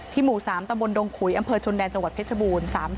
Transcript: หมู่๓ตำบลดงขุยอำเภอชนแดนจังหวัดเพชรบูรณ์